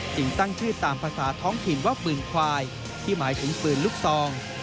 ตั้งชื่อตามภาษาท้องถิ่นว่าปืนควายที่หมายถึงปืนลูกซอง